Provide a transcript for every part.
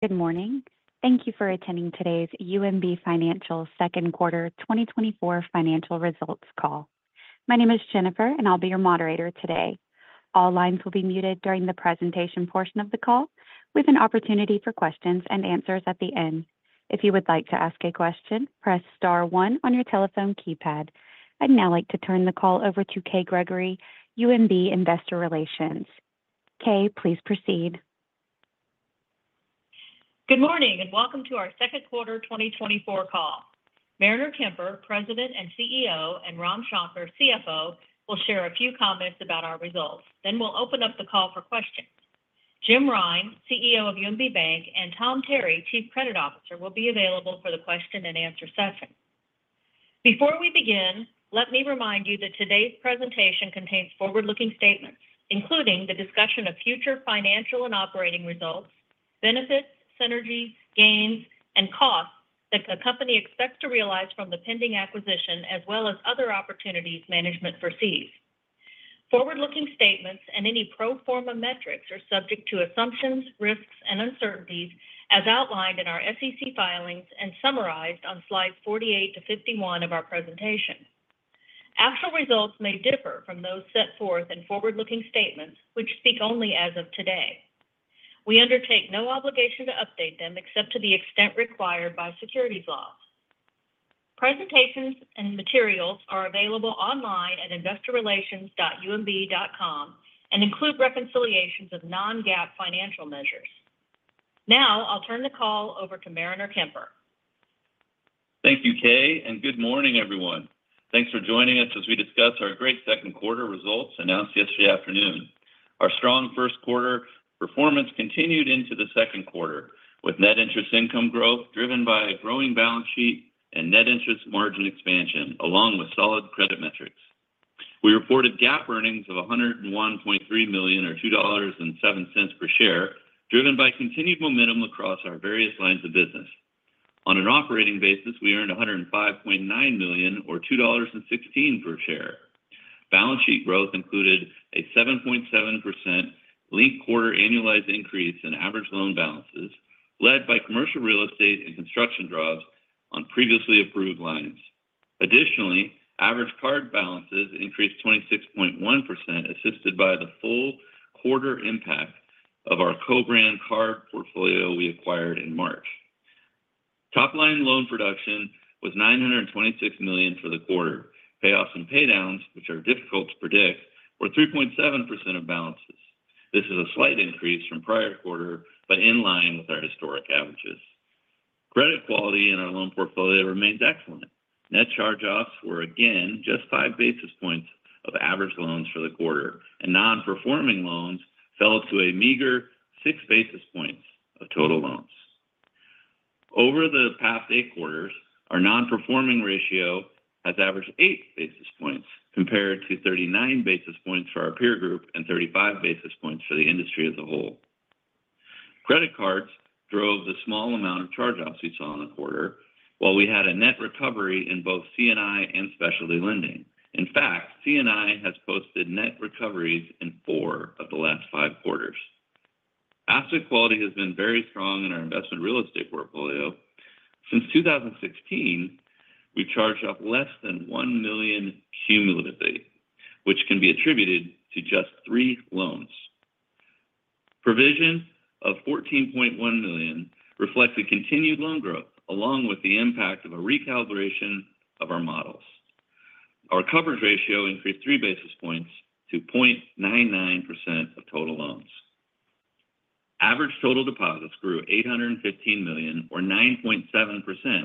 Good morning. Thank you for attending today's UMB Financial Q2 2024 financial results call. My name is Jennifer, and I'll be your moderator today. All lines will be muted during the presentation portion of the call, with an opportunity for questions and answers at the end. If you would like to ask a question, press star one on your telephone keypad. I'd now like to turn the call over to Kay Gregory, UMB Investor Relations. Kay, please proceed. Good morning, and welcome to our Q2 2024 call. Mariner Kemper, President and CEO, and Ram Shankar, CFO, will share a few comments about our results. Then we'll open up the call for questions. Jim Rine, CEO of UMB Bank, and Tom Terry, Chief Credit Officer, will be available for the question and answer session. Before we begin, let me remind you that today's presentation contains forward-looking statements, including the discussion of future financial and operating results, benefits, synergies, gains, and costs that the company expects to realize from the pending acquisition, as well as other opportunities management foresees. Forward-looking statements and any pro forma metrics are subject to assumptions, risks, and uncertainties as outlined in our SEC filings and summarized on slides 48-51 of our presentation. Actual results may differ from those set forth in forward-looking statements, which speak only as of today. We undertake no obligation to update them except to the extent required by securities laws. Presentations and materials are available online at investorrelations.umb.com and include reconciliations of non-GAAP financial measures. Now, I'll turn the call over to Mariner Kemper. Thank you, Kay, and good morning, everyone. Thanks for joining us as we discuss our great Q2 results announced yesterday afternoon. Our strong Q1 performance continued into the Q2, with net interest income growth driven by a growing balance sheet and net interest margin expansion, along with solid credit metrics. We reported GAAP earnings of $101.3 million, or $2.07 per share, driven by continued momentum across our various lines of business. On an operating basis, we earned $105.9 million, or $2.16 per share. Balance sheet growth included a 7.7% linked quarter annualized increase in average loan balances, led by commercial real estate and construction draws on previously approved lines. Additionally, average card balances increased 26.1%, assisted by the full quarter impact of our co-brand card portfolio we acquired in March. Top line loan production was $926 million for the quarter. Payoffs and paydowns, which are difficult to predict, were 3.7% of balances. This is a slight increase from prior quarter, but in line with our historic averages. Credit quality in our loan portfolio remains excellent. Net charge-offs were again just 5 basis points of average loans for the quarter, and non-performing loans fell to a meager 6 basis points of total loans. Over the past 8 quarters, our non-performing ratio has averaged 8 basis points, compared to 39 basis points for our peer group and 35 basis points for the industry as a whole. Credit cards drove the small amount of charge-offs we saw in the quarter, while we had a net recovery in both C&I and specialty lending. In fact, C&I has posted net recoveries in four of the last five quarters. Asset quality has been very strong in our investment real estate portfolio. Since 2016, we charged off less than $1 million cumulatively, which can be attributed to just three loans. Provision of $14.1 million reflects the continued loan growth, along with the impact of a recalibration of our models. Our coverage ratio increased three basis points to 0.99% of total loans. Average total deposits grew $815 million, or 9.7%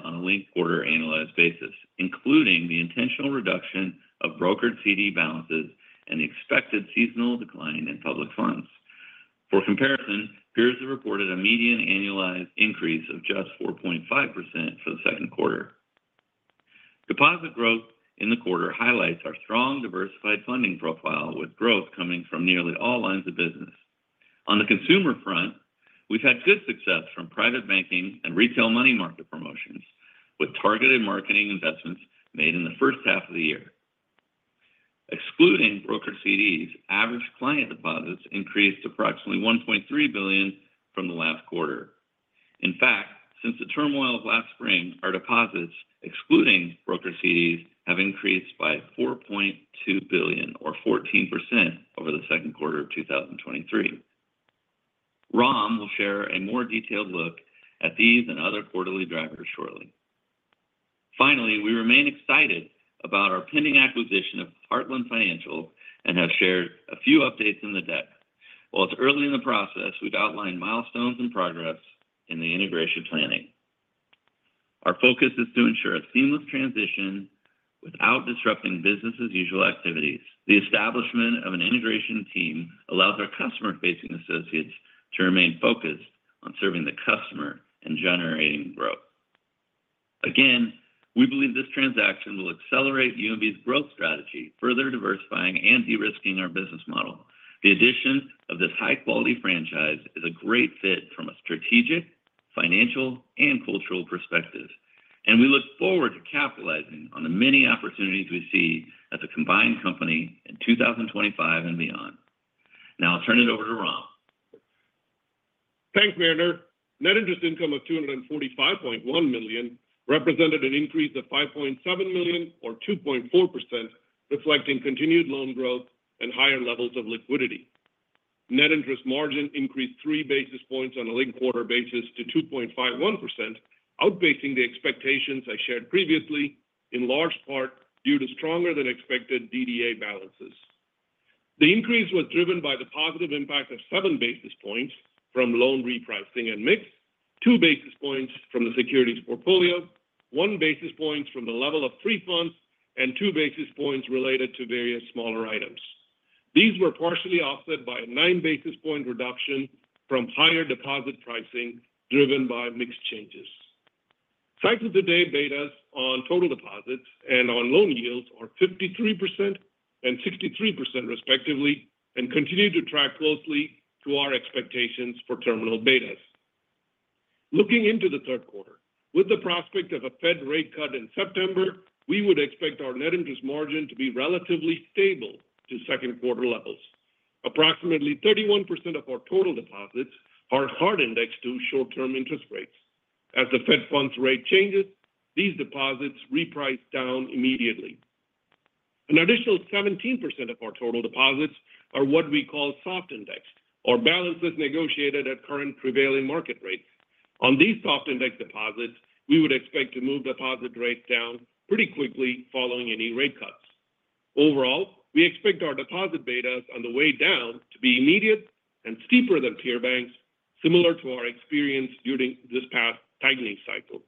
on a linked quarter annualized basis, including the intentional reduction of brokered CD balances and the expected seasonal decline in public funds. For comparison, peers have reported a median annualized increase of just 4.5% for the Q2. Deposit growth in the quarter highlights our strong, diversified funding profile, with growth coming from nearly all lines of business. On the consumer front, we've had good success from private banking and retail money market promotions, with targeted marketing investments made in the first half of the year. Excluding brokered CDs, average client deposits increased approximately $1.3 billion from the last quarter. In fact, since the turmoil of last spring, our deposits, excluding brokered CDs, have increased by $4.2 billion, or 14% over the Q2 of 2023. Ram will share a more detailed look at these and other quarterly drivers shortly. Finally, we remain excited about our pending acquisition of Heartland Financial and have shared a few updates in the deck. While it's early in the process, we've outlined milestones and progress in the integration planning. Our focus is to ensure a seamless transition without disrupting business as usual activities. The establishment of an integration team allows our customer-facing associates to remain focused on serving the customer and generating growth. Again, we believe this transaction will accelerate UMB's growth strategy, further diversifying and de-risking our business model. The addition of this high-quality franchise is a great fit from a strategic, financial, and cultural perspective.... and we look forward to capitalizing on the many opportunities we see as a combined company in 2025 and beyond. Now I'll turn it over to Ram. Thanks, Mariner. Net interest income of $245.1 million represented an increase of $5.7 million or 2.4%, reflecting continued loan growth and higher levels of liquidity. Net interest margin increased 3 basis points on a linked quarter basis to 2.51%, outpacing the expectations I shared previously, in large part due to stronger than expected DDA balances. The increase was driven by the positive impact of 7 basis points from loan repricing and mix, 2 basis points from the securities portfolio, 1 basis point from the level of free funds, and 2 basis points related to various smaller items. These were partially offset by a nine basis point reduction from higher deposit pricing, driven by mixed changes. Cycle to date betas on total deposits and on loan yields are 53% and 63% respectively, and continue to track closely to our expectations for terminal betas. Looking into the Q3, with the prospect of a Fed rate cut in September, we would expect our net interest margin to be relatively stable to Q2 levels. Approximately 31% of our total deposits are hard indexed to short-term interest rates. As the Fed funds rate changes, these deposits reprice down immediately. An additional 17% of our total deposits are what we call soft indexed, or balances negotiated at current prevailing market rates. On these soft indexed deposits, we would expect to move deposit rates down pretty quickly following any rate cuts. Overall, we expect our deposit betas on the way down to be immediate and steeper than peer banks, similar to our experience during this past tightening cycle.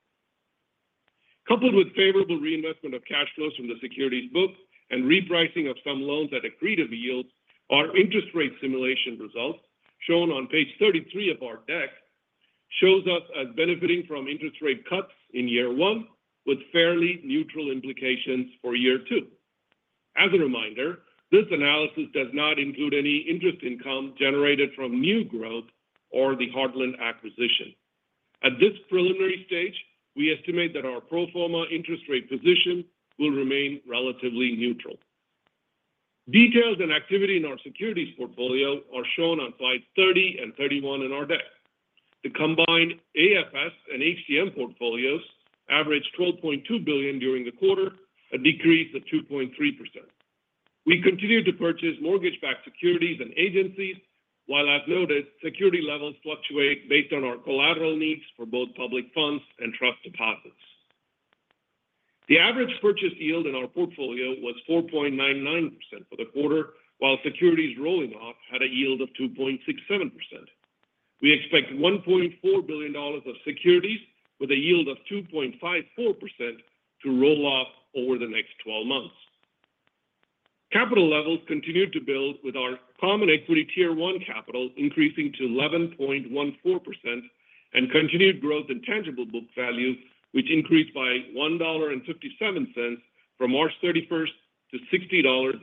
Coupled with favorable reinvestment of cash flows from the securities book and repricing of some loans at accretive yields, our interest rate simulation results, shown on page 33 of our deck, shows us as benefiting from interest rate cuts in year 1, with fairly neutral implications for year 2. As a reminder, this analysis does not include any interest income generated from new growth or the Heartland acquisition. At this preliminary stage, we estimate that our pro forma interest rate position will remain relatively neutral. Details and activity in our securities portfolio are shown on slides 30 and 31 in our deck. The combined AFS and HTM portfolios averaged $12.2 billion during the quarter, a decrease of 2.3%. We continued to purchase mortgage-backed securities and agencies, while as noted, security levels fluctuate based on our collateral needs for both public funds and trust deposits. The average purchase yield in our portfolio was 4.99% for the quarter, while securities rolling off had a yield of 2.67%. We expect $1.4 billion of securities with a yield of 2.54% to roll off over the next 12 months. Capital levels continued to build with our Common Equity Tier 1 capital increasing to 11.14% and continued growth in tangible book value, which increased by $1.57 from March 31st to $60.58.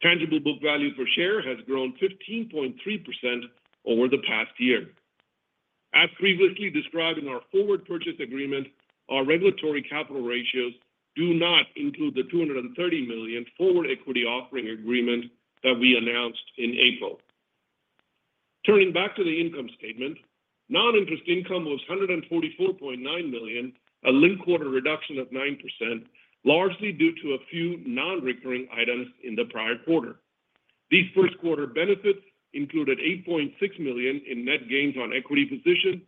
Tangible book value per share has grown 15.3% over the past year. As previously described in our forward purchase agreement, our regulatory capital ratios do not include the $230 million forward equity offering agreement that we announced in April. Turning back to the income statement, non-interest income was $144.9 million, a linked quarter reduction of 9%, largely due to a few non-recurring items in the prior quarter. These Q1 benefits included $8.6 million in net gains on equity position,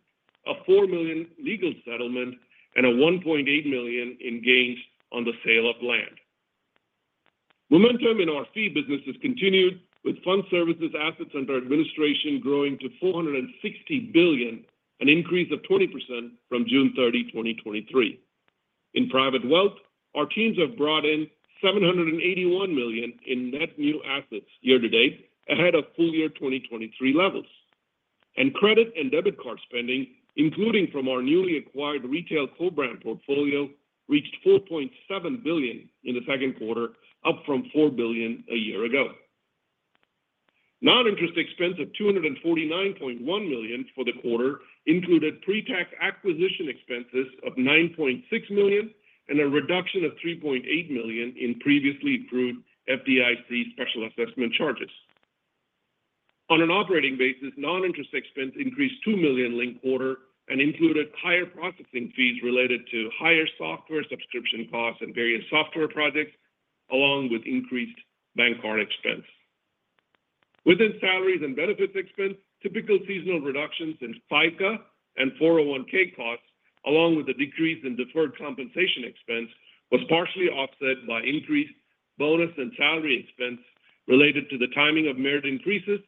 a $4 million legal settlement, and a $1.8 million in gains on the sale of land. Momentum in our fee businesses continued, with Fund Services assets under administration growing to $460 billion, an increase of 20% from June 30, 2023. In Private Wealth, our teams have brought in $781 million in net new assets year to date, ahead of full year 2023 levels. Credit and debit card spending, including from our newly acquired retail co-brand portfolio, reached $4.7 billion in the Q2, up from $4 billion a year ago. Non-interest expense of $249.1 million for the quarter included pre-tax acquisition expenses of $9.6 million and a reduction of $3.8 million in previously approved FDIC special assessment charges. On an operating basis, non-interest expense increased $2 million linked quarter and included higher processing fees related to higher software subscription costs and various software projects, along with increased bank card expense. Within salaries and benefits expense, typical seasonal reductions in FICA and 401(k) costs, along with a decrease in deferred compensation expense, was partially offset by increased bonus and salary expense related to the timing of merit increases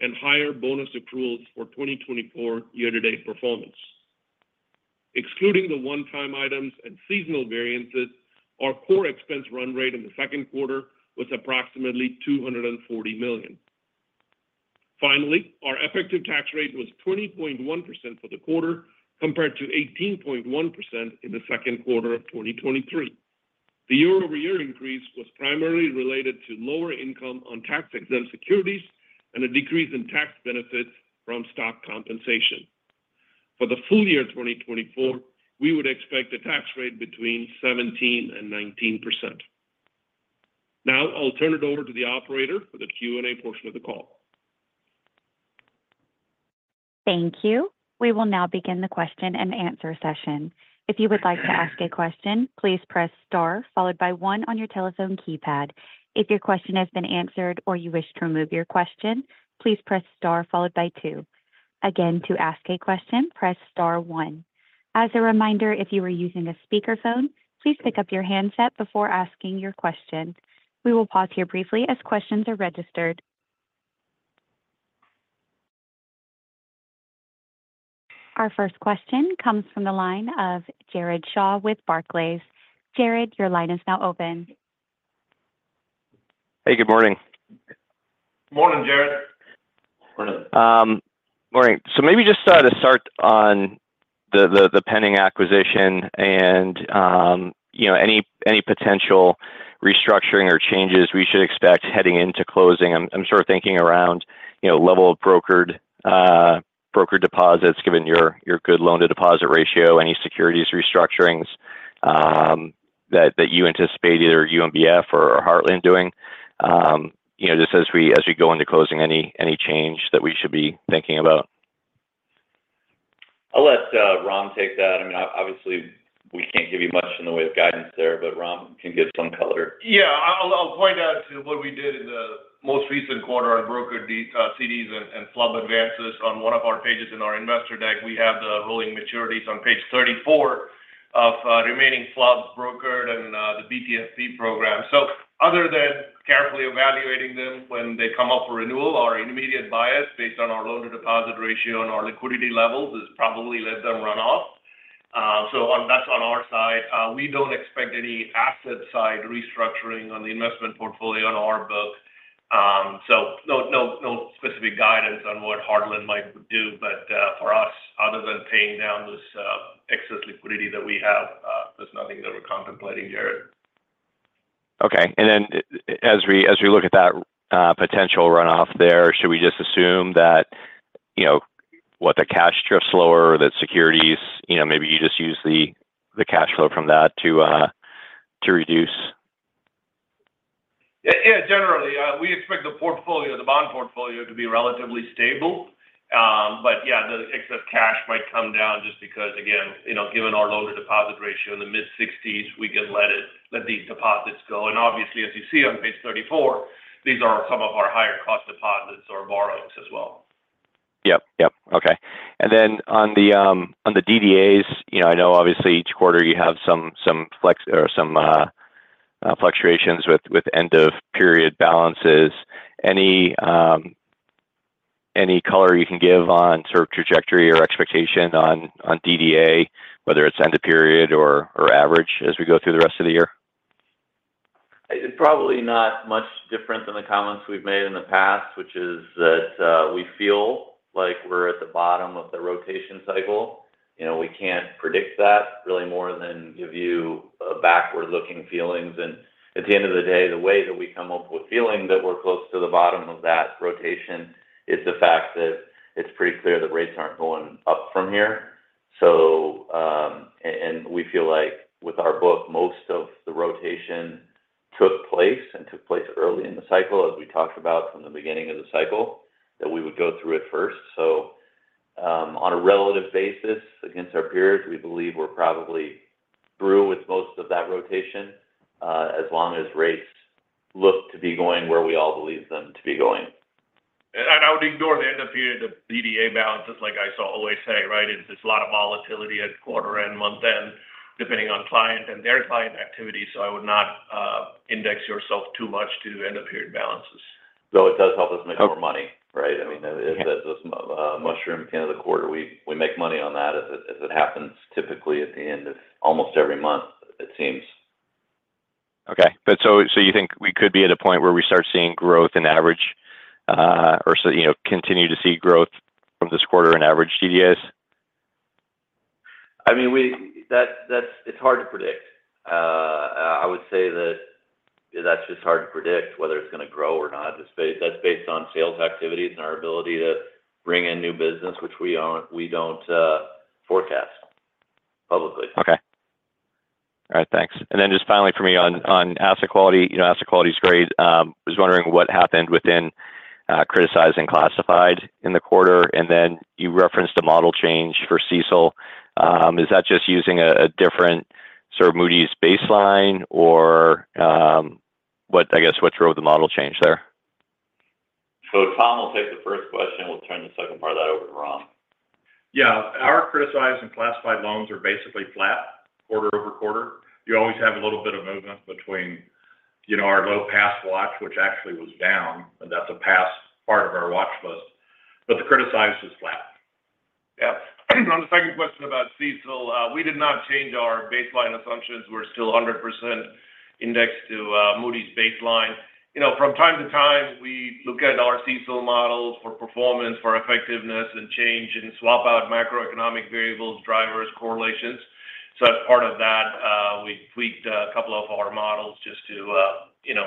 and higher bonus accruals for 2024 year-to-date performance. Excluding the one-time items and seasonal variances, our core expense run rate in the Q2 was approximately $240 million. Finally, our effective tax rate was 20.1% for the quarter, compared to 18.1% in the Q2 of 2023.... The year-over-year increase was primarily related to lower income on tax-exempt securities and a decrease in tax benefits from stock compensation. For the full year 2024, we would expect a tax rate between 17% and 19%. Now, I'll turn it over to the operator for the Q&A portion of the call. Thank you. We will now begin the question and answer session. If you would like to ask a question, please press Star, followed by one on your telephone keypad. If your question has been answered or you wish to remove your question, please press Star followed by two. Again, to ask a question, press star one. As a reminder, if you are using a speakerphone, please pick up your handset before asking your question. We will pause here briefly as questions are registered. Our first question comes from the line of Jared Shaw with Barclays. Jared, your line is now open. Hey, good morning. Morning, Jared. Morning. Morning. So maybe just to start on the pending acquisition and, you know, any potential restructuring or changes we should expect heading into closing. I'm sort of thinking around, you know, level of brokered deposits, given your good loan to deposit ratio, any securities restructurings that you anticipate either UMBF or Heartland doing. You know, just as we go into closing, any change that we should be thinking about? I'll let Ram take that. I mean, obviously, we can't give you much in the way of guidance there, but Ram can give some color. Yeah. I'll, I'll point out to what we did in the most recent quarter on brokered, CDs and FHLB advances on one of our pages in our investor deck. We have the rolling maturities on page 34 of, remaining FHLBs brokered and, the BTFP program. So other than carefully evaluating them when they come up for renewal, our immediate bias, based on our loan to deposit ratio and our liquidity levels, is probably let them run off. So on, that's on our side. We don't expect any asset side restructuring on the investment portfolio on our book. So no, no, no specific guidance on what Heartland might do. But, for us, other than paying down this, excess liquidity that we have, there's nothing that we're contemplating, Jared. Okay. And then as we look at that, potential runoff there, should we just assume that, you know, what, the cash drifts lower, that securities, you know, maybe you just use the cash flow from that to reduce? Yeah, yeah, generally, we expect the portfolio, the bond portfolio to be relatively stable. But yeah, the excess cash might come down just because, again, you know, given our loan to deposit ratio in the mid-sixties, we can let it, let these deposits go. And obviously, as you see on page 34, these are some of our higher cost deposits or borrowings as well. Yep, yep. Okay. And then on the DDAs, you know, I know obviously each quarter you have some flex or some fluctuations with end of period balances. Any color you can give on sort of trajectory or expectation on DDA, whether it's end of period or average, as we go through the rest of the year? It's probably not much different than the comments we've made in the past, which is that we feel like we're at the bottom of the rotation cycle. You know, we can't predict that really more than give you a backward-looking feelings. And at the end of the day, the way that we come up with feeling that we're close to the bottom of that rotation is the fact that it's pretty clear that rates aren't going up from here. So, and we feel like with our book, most of the rotation took place and took place early in the cycle, as we talked about from the beginning of the cycle, that we would go through it first. On a relative basis, against our periods, we believe we're probably through with most of that rotation, as long as rates look to be going where we all believe them to be going. I would ignore the end of period, the DDA balances, like I always say, right? It's a lot of volatility at quarter end, month end, depending on client and their client activity, so I would not index yourself too much to end of period balances. Though it does help us make more money, right? Yeah. I mean, that's margin end of the quarter, we make money on that as it happens typically at the end of almost every month, it seems. Okay. But so, so you think we could be at a point where we start seeing growth in average, or so, you know, continue to see growth from this quarter in average DDAs? I mean, that's it's hard to predict. I would say that that's just hard to predict whether it's going to grow or not. That's based on sales activities and our ability to bring in new business, which we aren't, we don't forecast publicly. Okay. All right, thanks. And then just finally for me on asset quality, you know, asset quality is great. I was wondering what happened within criticized and classified in the quarter, and then you referenced a model change for CECL. Is that just using a different sort of Moody's baseline or what, I guess, what drove the model change there? Tom will take the first question, we'll turn the second part of that over to Ram. Yeah. Our criticized and classified loans are basically flat quarter-over-quarter. You always have a little bit of movement between, you know, our low pass watch, which actually was down, and that's a pass part of our watch list, but the criticized is flat. Yeah. On the second question about CECL, we did not change our baseline assumptions. We're still 100% indexed to, Moody's baseline. You know, from time to time, we look at our CECL models for performance, for effectiveness, and change and swap out macroeconomic variables, drivers, correlations. So as part of that, we tweaked a couple of our models just to, you know,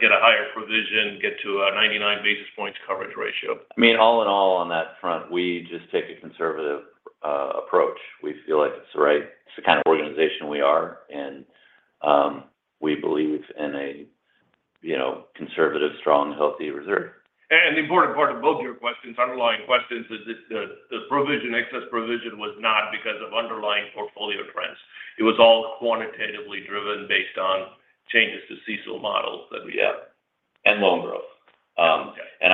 get a higher provision, get to a 99 basis points coverage ratio. I mean, all in all, on that front, we just take a conservative approach. We feel like it's the right- it's the kind of organization we are, and we believe in a, you know, conservative, strong, healthy reserve. The important part of both your questions, underlying questions is that the excess provision was not because of underlying portfolio trends. It was all quantitatively driven based on changes to CECL models that we have. Yeah, and loan growth.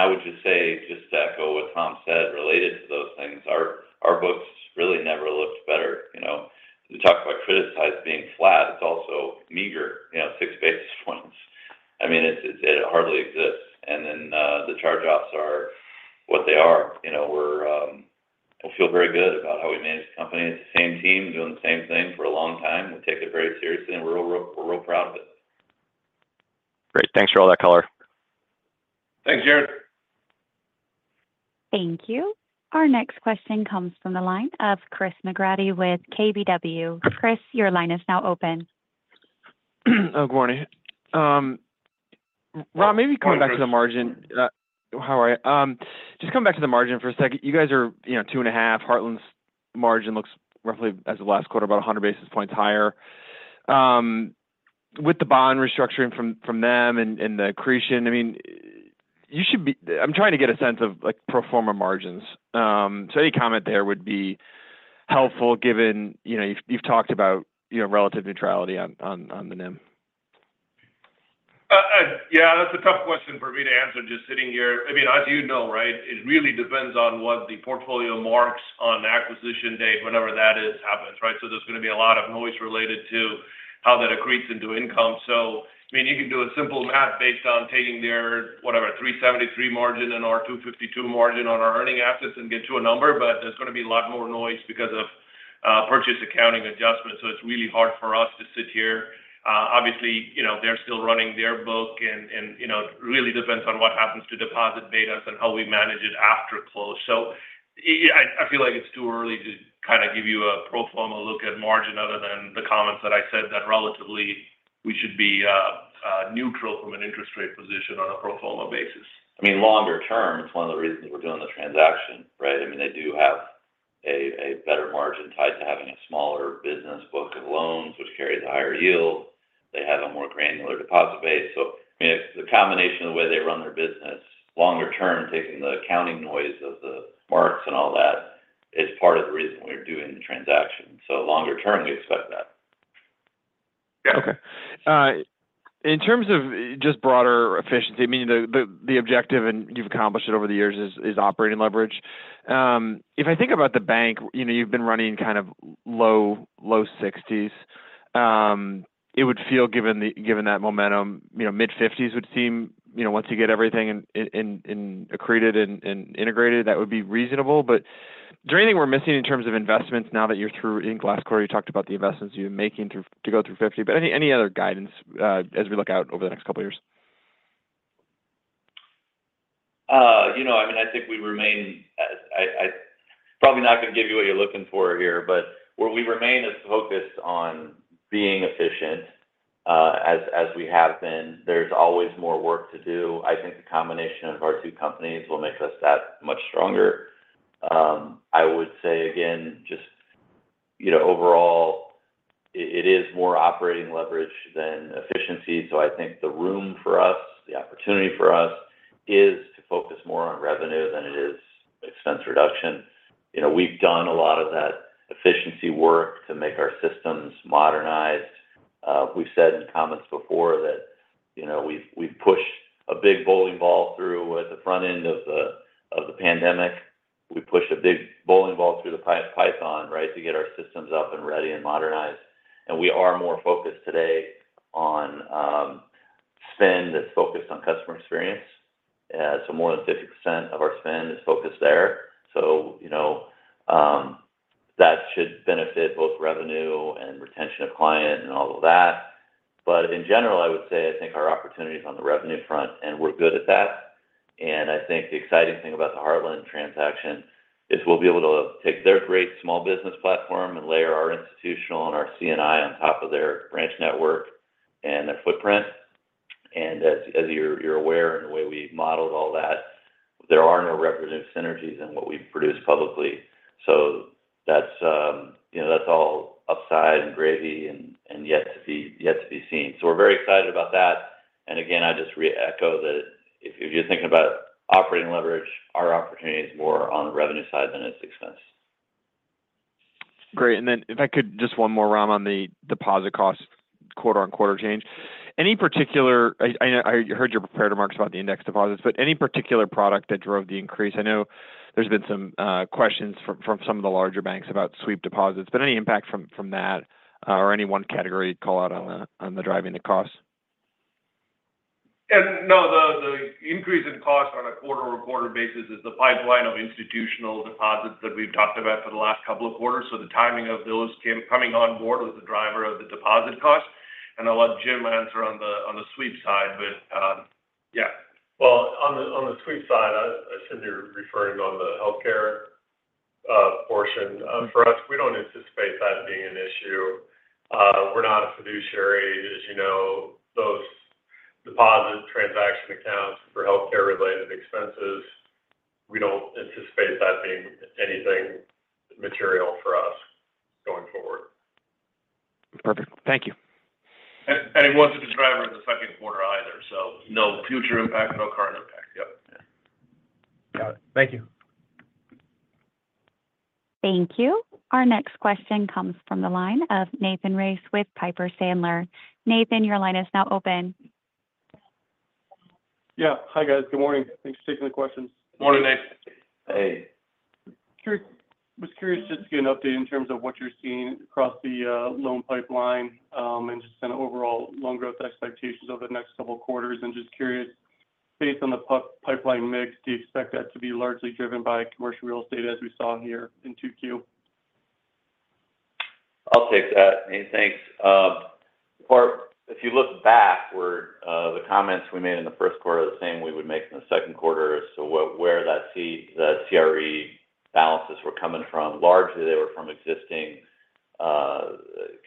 I would just say, just to echo what Tom said related to those things, our, our books really never looked better. You know, we talked about criticized being flat, it's also meager, you know, six basis points. I mean, it, it hardly exists. And then, the charge-offs are what they are. You know, we're... We feel very good about how we manage the company. It's the same team doing the same thing for a long time. We take it very seriously, and we're real, we're real proud of it. Great. Thanks for all that color. Thanks, Jared. Thank you. Our next question comes from the line of Chris McGratty with KBW. Chris, your line is now open. Good morning. Ram, maybe coming back to the margin. How are you? Just come back to the margin for a second. You guys are, you know, 2.5. Heartland's margin looks roughly as of last quarter, about 100 basis points higher. With the bond restructuring from, from them and, and the accretion, I mean, you should be-- I'm trying to get a sense of, like, pro forma margins. So any comment there would be helpful, given, you know, you've, you've talked about, you know, relative neutrality on, on, on the NIM. Yeah, that's a tough question for me to answer just sitting here. I mean, as you know, right, it really depends on what the portfolio marks on acquisition date, whenever that is, happens, right? So there's gonna be a lot of noise related to how that accretes into income. So, I mean, you can do a simple math based on taking their, whatever, 3.73 margin and our 2.52 margin on our earning assets and get to a number, but there's gonna be a lot more noise because of purchase accounting adjustments. So it's really hard for us to sit here. Obviously, you know, they're still running their book and, and, you know, it really depends on what happens to deposit betas and how we manage it after close. So I feel like it's too early to kind of give you a pro forma look at margin, other than the comments that I said, that relatively we should be neutral from an interest rate position on a pro forma basis. I mean, longer term, it's one of the reasons we're doing the transaction, right? I mean, they do have a, a better margin tied to having a smaller business book of loans, which carries a higher yield. They have a more granular deposit base. So, I mean, it's the combination of the way they run their business, longer term, taking the accounting noise of the marks and all that, is part of the reason we're doing the transaction. So longer term, we expect that. Yeah. Okay. In terms of just broader efficiency, I mean, the objective, and you've accomplished it over the years, is operating leverage. If I think about the bank, you know, you've been running kind of low 60s. It would feel, given that momentum, you know, mid-50s would seem, you know, once you get everything in, accreted and integrated, that would be reasonable. But is there anything we're missing in terms of investments now that you're through? In the last quarter, you talked about the investments you're making through to go through 50, but any other guidance, as we look out over the next couple of years? You know, I mean, I probably not going to give you what you're looking for here, but where we remain is focused on being efficient, as we have been. There's always more work to do. I think the combination of our two companies will make us that much stronger. I would say again, just, you know, overall, it is more operating leverage than efficiency. So I think the room for us, the opportunity for us, is to focus more on revenue than it is expense reduction. You know, we've done a lot of that efficiency work to make our systems modernized. We've said in comments before that, you know, we've pushed a big bowling ball through at the front end of the pandemic. We pushed a big bowling ball through the python, right, to get our systems up and ready and modernized. We are more focused today on spend that's focused on customer experience. So more than 50% of our spend is focused there. So, you know, that should benefit both revenue and retention of client and all of that. But in general, I would say, I think our opportunity is on the revenue front, and we're good at that. I think the exciting thing about the Heartland transaction is we'll be able to take their great small business platform and layer our institutional and our C&I on top of their branch network and their footprint. As you're aware, in the way we've modeled all that, there are no representative synergies in what we've produced publicly. So that's, you know, that's all upside and gravy and yet to be seen. So we're very excited about that. And again, I just echo that if you're thinking about operating leverage, our opportunity is more on the revenue side than it's expense. Great. And then if I could, just one more, Ram, on the deposit cost quarter-over-quarter change. Any particular... I heard your prepared remarks about the index deposits, but any particular product that drove the increase? I know there's been some questions from some of the larger banks about sweep deposits, but any impact from that, or any one category you'd call out on the driving the costs? No, the increase in cost on a quarter-over-quarter basis is the pipeline of institutional deposits that we've talked about for the last couple of quarters. So the timing of those coming on board was the driver of the deposit cost. And I'll let Jim answer on the sweep side, but yeah. Well, on the sweep side, I assume you're referring to the healthcare portion. For us, we don't anticipate that being an issue. We're not a fiduciary, as you know. Those deposit transaction accounts for healthcare-related expenses, we don't anticipate that being anything material for us going forward. Perfect. Thank you. And it wasn't a driver in the Q2 either, so no future impact, no current impact. Yep. Got it. Thank you. Thank you. Our next question comes from the line of Nathan Race with Piper Sandler. Nathan, your line is now open. Yeah. Hi, guys. Good morning. Thanks for taking the questions. Morning, Nathan. Hey. Just curious just to get an update in terms of what you're seeing across the loan pipeline, and just an overall loan growth expectations over the next couple of quarters. Just curious, based on the pipeline mix, do you expect that to be largely driven by commercial real estate as we saw here in 2Q? I'll take that. Hey, thanks. Or if you look backward, the comments we made in the Q1 are the same we would make in the Q2. So where that CRE balances were coming from, largely they were from existing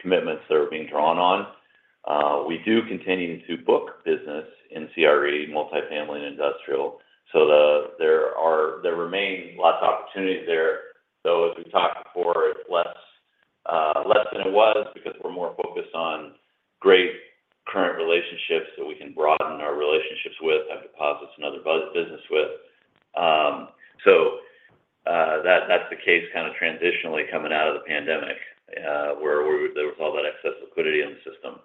commitments that were being drawn on. We do continue to book business in CRE, multifamily and industrial, so there remain lots of opportunities there. So as we talked before, it's less, less than it was because we're more focused on great current relationships that we can broaden our relationships with, have deposits and other business with. That, that's the case kind of transitionally coming out of the pandemic, where there was all that excess liquidity in the system.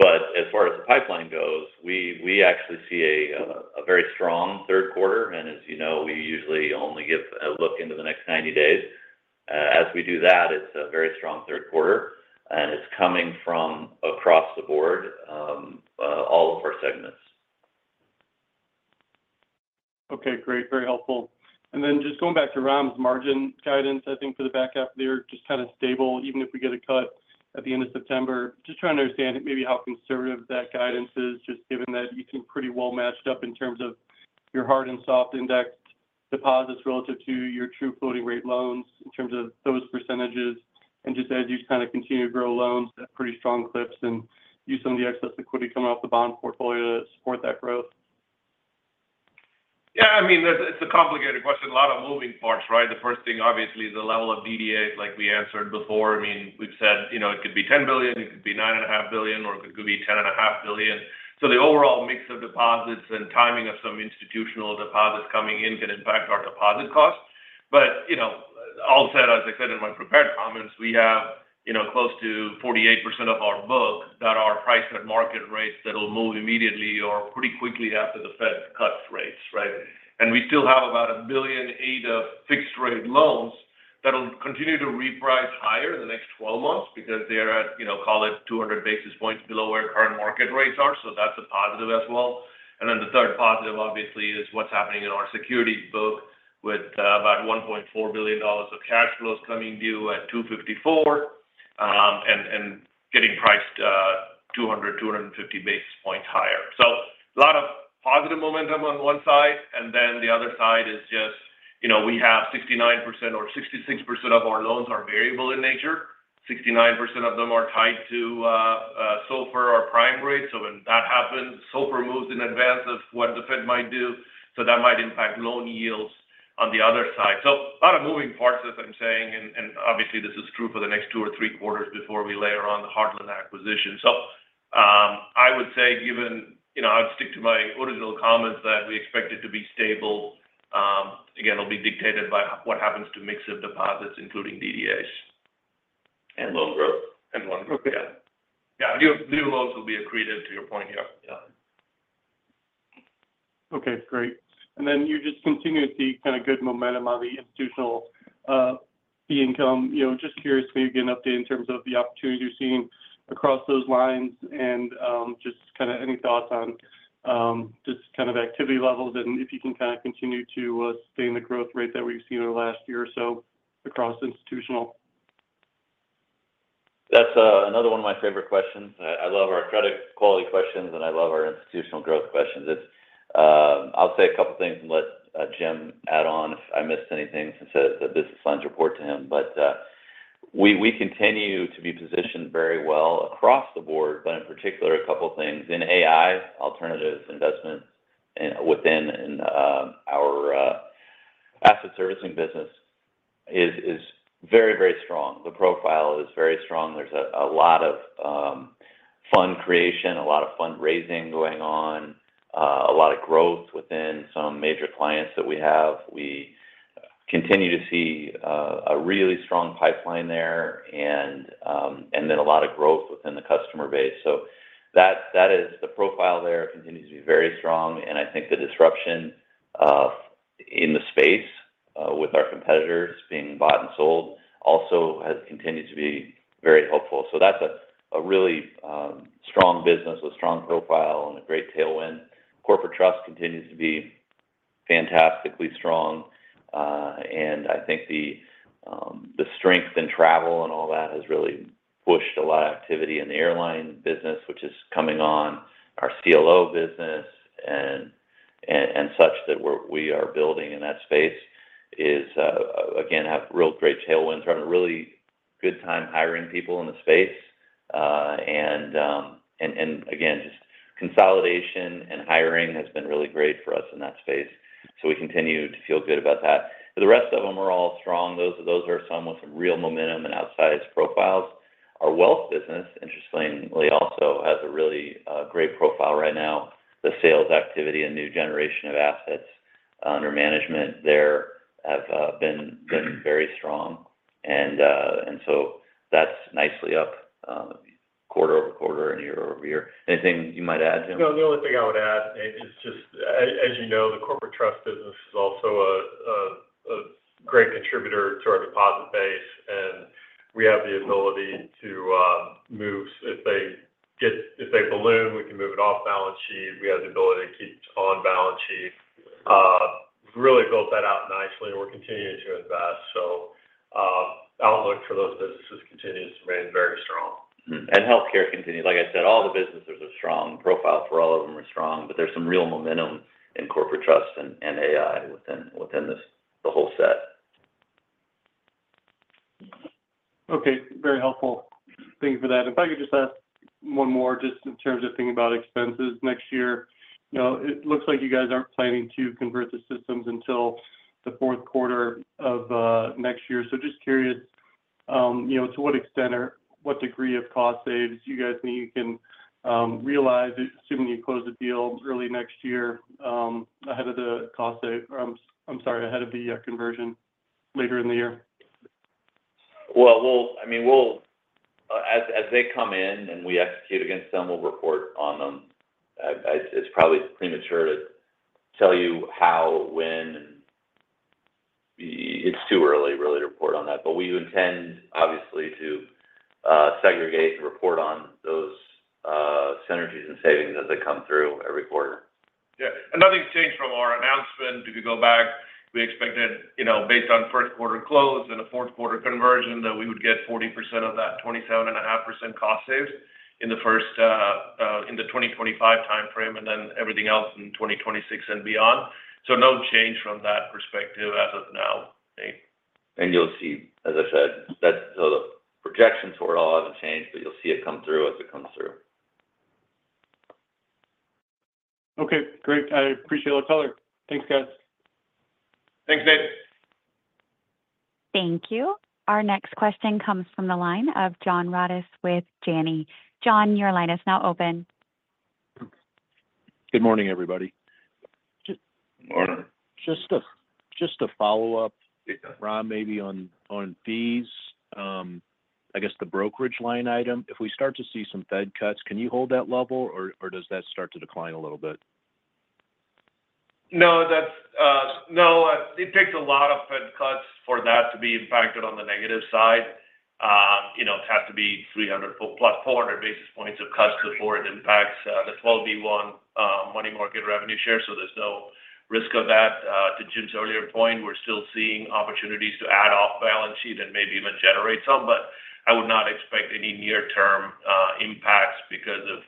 But as far as the pipeline goes, we actually see a very strong Q3, and as you know, we usually only give a look into the next 90 days. As we do that, it's a very strong Q3, and it's coming from across the board, all of our segments. Okay, great. Very helpful. And then just going back to Ram's margin guidance, I think for the back half there, just kind of stable, even if we get a cut at the end of September. Just trying to understand maybe how conservative that guidance is, just given that you seem pretty well matched up in terms of your hard and soft indexed deposits relative to your true floating rate loans, in terms of those percentages. And just as you kind of continue to grow loans at pretty strong clips and use some of the excess liquidity coming off the bond portfolio to support that growth. Yeah, I mean, it's, it's a complicated question. A lot of moving parts, right? The first thing, obviously, is the level of DDAs, like we answered before. I mean, we've said, you know, it could be $10 billion, it could be $9.5 billion, or it could be $10.5 billion. So the overall mix of deposits and timing of some institutional deposits coming in can impact our deposit costs. But, you know, all said, as I said in my prepared comments, we have, you know, close to 48% of our books that are priced at market rates that will move immediately or pretty quickly after the Fed cuts rates, right? And we still have about $1 billion AIDA fixed rate loans that'll continue to reprice higher in the next 12 months because they're at, you know, call it 200 basis points below where current market rates are, so that's a positive as well. And then the third positive, obviously, is what's happening in our securities book with about $1.4 billion of cash flows coming due at 2.54, and getting priced 200-250 basis points higher. So a lot of positive momentum on one side, and then the other side is just, you know, we have 69% or 66% of our loans are variable in nature. 69% of them are tied to SOFR or prime rate. So when that happens, SOFR moves in advance of what the Fed might do, so that might impact loan yields on the other side. So a lot of moving parts, as I'm saying, and obviously, this is true for the next two or three quarters before we layer on the Heartland acquisition. So, I would say given—you know, I'd stick to my original comments that we expect it to be stable. Again, it'll be dictated by what happens to mix of deposits, including DDAs. Loan growth. Loan growth, yeah. Yeah, new, new loans will be accretive to your point here. Yeah. Okay, great. And then you just continue to see kind of good momentum on the institutional fee income. You know, just curious, can you give an update in terms of the opportunities you're seeing across those lines and just kind of any thoughts on just kind of activity levels, and if you can kind of continue to sustain the growth rate that we've seen over the last year or so across institutional? That's another one of my favorite questions. I love our credit quality questions, and I love our institutional growth questions. It's... I'll say a couple of things and let Jim add on if I missed anything since the business lines report to him. But we continue to be positioned very well across the board, but in particular, a couple of things. In AI, alternative investments, and within our Asset Servicing business is very, very strong. The profile is very strong. There's a lot of fund creation, a lot of fundraising going on, a lot of growth within some major clients that we have. We continue to see a really strong pipeline there and then a lot of growth within the customer base. So that is the profile. There continues to be very strong, and I think the disruption in the space with our competitors being bought and sold also has continued to be very helpful. So that's a really strong business with strong profile and a great tailwind. Corporate Trust continues to be fantastically strong, and I think the strength in travel and all that has really pushed a lot of activity in the airline business, which is coming on our CLO business and such that we are building in that space is again have real great tailwinds. We're having a really good time hiring people in the space. And again, just consolidation and hiring has been really great for us in that space. So we continue to feel good about that. The rest of them are all strong. Those, those are some with some real momentum and outsized profiles. Our wealth business, interestingly, also has a really, great profile right now. The sales activity and new generation of assets under management there have, been, been very strong. And, and so that's nicely up, quarter-over-quarter and year-over-year. Anything you might add, Jim? No, the only thing I would add is just as you know, the Corporate Trust business is also a great contributor to our deposit base, and we have the ability to move. If they balloon, we can move it off balance sheet. We have the ability to keep on balance sheet. Really built that out nicely, and we're continuing to invest. So, outlook for those businesses continues to remain very strong. Mm-hmm. And healthcare continues... Like I said, all the businesses are strong. Profiles for all of them are strong, but there's some real momentum in Corporate Trust and AI within this, the whole set. Okay, very helpful. Thank you for that. If I could just ask one more just in terms of thinking about expenses next year. You know, it looks like you guys aren't planning to convert the systems until the Q4 of next year. So just curious, you know, to what extent or what degree of cost saves you guys think you can realize, assuming you close the deal early next year, ahead of the cost save- I'm sorry, ahead of the conversion later in the year? Well, I mean, we'll, as they come in and we execute against them, we'll report on them. It's probably premature to tell you how, when, and it's too early, really, to report on that. But we intend, obviously, to segregate and report on those synergies and savings as they come through every quarter. Yeah. And nothing's changed from our announcement. If you go back, we expected, you know, based on Q1 close and a Q4 conversion, that we would get 40% of that 27.5% cost saves in the first, in the 2025 timeframe, and then everything else in 2026 and beyond. So no change from that perspective as of now, Nate. You'll see, as I said, that so the projections for it all hasn't changed, but you'll see it come through as it comes through. Okay, great. I appreciate the color. Thanks, guys. Thanks, Nate. Thank you. Our next question comes from the line of John Rodis with Janney. John, your line is now open. Good morning, everybody. Good morning. Just a follow-up, Ram, maybe on fees. I guess the brokerage line item. If we start to see some Fed cuts, can you hold that level, or does that start to decline a little bit? No, that's no, it takes a lot of Fed cuts for that to be impacted on the negative side. You know, it has to be 300 + 400 basis points of cuts before it impacts the 12b-1 money market revenue share. So there's no risk of that. To Jim's earlier point, we're still seeing opportunities to add off balance sheet and maybe even generate some, but I would not expect any near-term impacts because of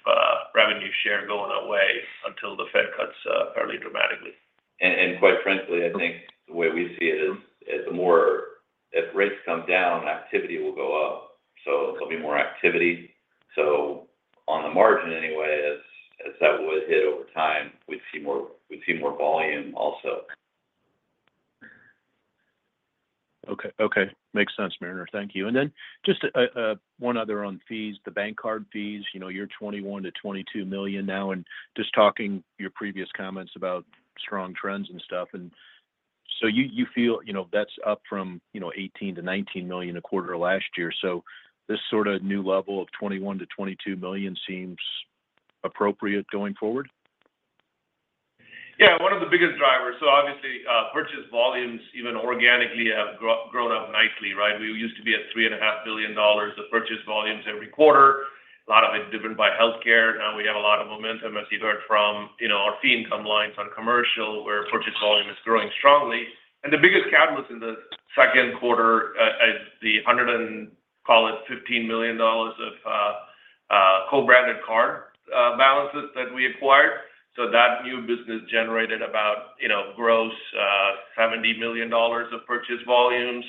revenue share going away until the Fed cuts fairly dramatically. And quite frankly, I think the way we see it is the more, if rates come down, activity will go up, so there'll be more activity. So on the margin anyway, as that would hit over time, we'd see more, we'd see more volume also. Okay. Okay, makes sense, Mariner. Thank you. And then just one other on fees, the bank card fees. You know, you're $21 million-$22 million now, and just talking your previous comments about strong trends and stuff. And so you, you feel, you know, that's up from, you know, $18 million-$19 million a quarter last year. So this sort of new level of $21 million-$22 million seems appropriate going forward? Yeah, one of the biggest drivers, so obviously, purchase volumes, even organically, have grown up nicely, right? We used to be at $3.5 billion of purchase volumes every quarter. A lot of it is driven by healthcare. Now, we have a lot of momentum, as you heard from, you know, our fee income lines on commercial, where purchase volume is growing strongly. And the biggest catalyst in the Q2, as $115 million of co-branded card balances that we acquired. So that new business generated about, you know, gross $70 million of purchase volumes,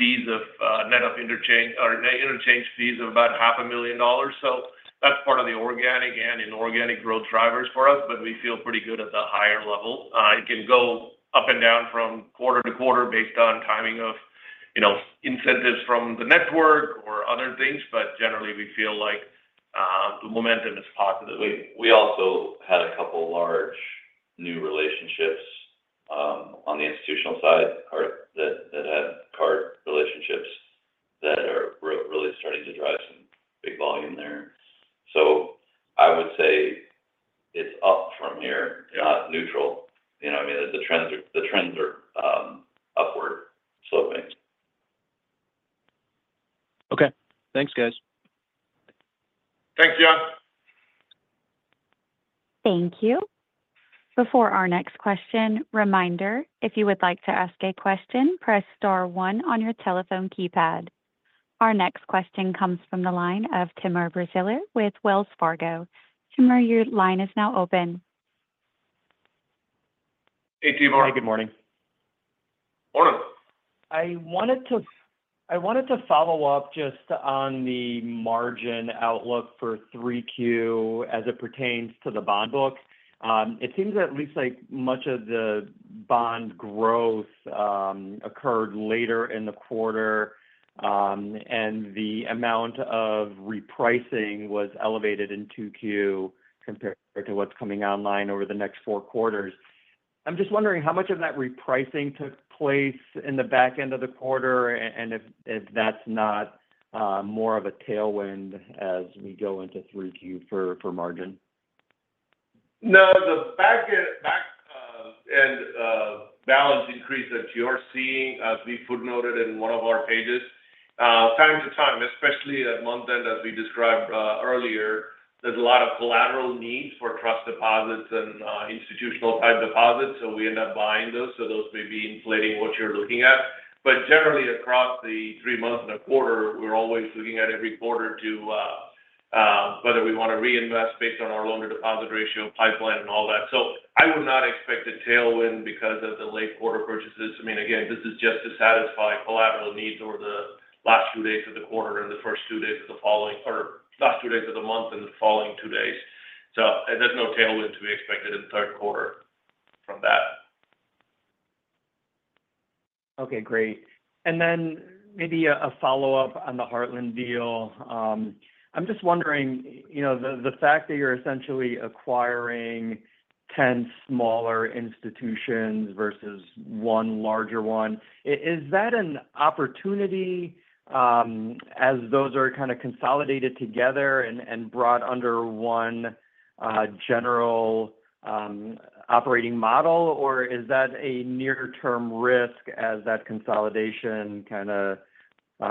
fees of net of interchange or net interchange fees of about $500,000. So that's part of the organic and inorganic growth drivers for us, but we feel pretty good at the higher level. It can go up and down from quarter to quarter based on timing of, you know, incentives from the network or other things, but generally, we feel like the momentum is positive. We also had a couple large new relationships on the institutional side that had card relationships that are really starting to drive some big volume there. So I would say it's up from here, not neutral. You know what I mean? The trends are upward sloping. Okay. Thanks, guys. Thanks, John.... Thank you. Before our next question, reminder, if you would like to ask a question, press star one on your telephone keypad. Our next question comes from the line of Timur Braziler with Wells Fargo. Timur, your line is now open. Hey, Timur. Hi, good morning. Morning! I wanted to follow up just on the margin outlook for Q3 as it pertains to the bond book. It seems at least like much of the bond growth occurred later in the quarter, and the amount of repricing was elevated in Q2 compared to what's coming online over the next four quarters. I'm just wondering how much of that repricing took place in the back end of the quarter, and if that's not more of a tailwind as we go into Q3 for margin? No, the back end balance increase that you're seeing, as we footnoted in one of our pages, time to time, especially at month end, as we described earlier, there's a lot of collateral needs for trust deposits and institutional type deposits. So we end up buying those, so those may be inflating what you're looking at. But generally, across the three months and a quarter, we're always looking at every quarter to whether we want to reinvest based on our loan-to-deposit ratio, pipeline, and all that. So I would not expect a tailwind because of the late quarter purchases. I mean, again, this is just to satisfy collateral needs over the last two days of the quarter and the first two days of the following or last two days of the month and the following two days. There's no tailwind to be expected in the Q3 from that. Okay, great. And then maybe a follow-up on the Heartland deal. I'm just wondering, you know, the fact that you're essentially acquiring 10 smaller institutions versus one larger one, is that an opportunity, as those are kind of consolidated together and brought under one general operating model? Or is that a near-term risk as that consolidation kind of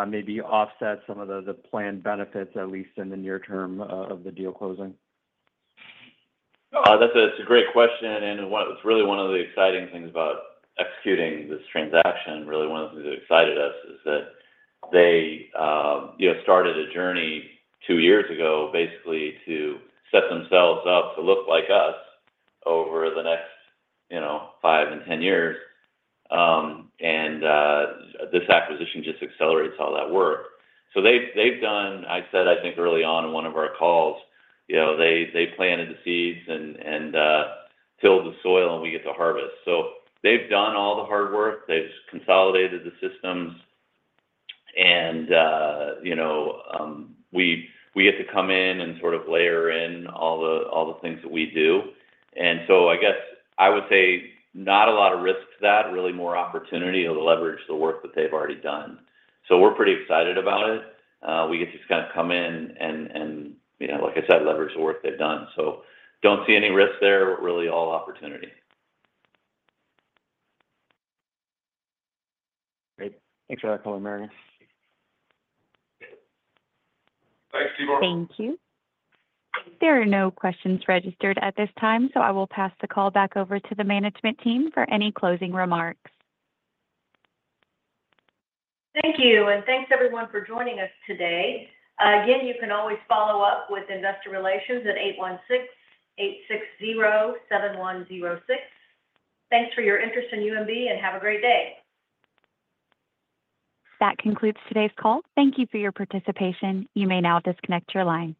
maybe offsets some of the planned benefits, at least in the near term of the deal closing? That's a great question, and one. It's really one of the exciting things about executing this transaction. Really one of the things that excited us is that they, you know, started a journey two years ago, basically to set themselves up to look like us over the next, you know, five and 10 years. And this acquisition just accelerates all that work. So they've, they've done—I said, I think early on in one of our calls, you know, they, they planted the seeds and, and, tilled the soil, and we get to harvest. So they've done all the hard work, they've consolidated the systems, and, you know, we, we get to come in and sort of layer in all the, all the things that we do. And so I guess I would say not a lot of risk to that, really more opportunity to leverage the work that they've already done. So we're pretty excited about it. We get to just kind of come in and, you know, like I said, leverage the work they've done. So don't see any risks there, really all opportunity. Great. Thanks for that call, Mariner. Thanks, Timur. Thank you. There are no questions registered at this time, so I will pass the call back over to the management team for any closing remarks. Thank you, and thanks, everyone, for joining us today. Again, you can always follow up with investor relations at 816-860-7106. Thanks for your interest in UMB, and have a great day. That concludes today's call. Thank you for your participation. You may now disconnect your line.